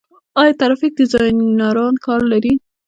آیا ګرافیک ډیزاینران کار لري؟